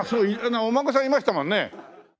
お孫さんいましたもんね。